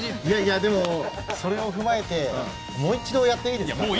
いやいやでもそれを踏まえてもう一度やっていいですか？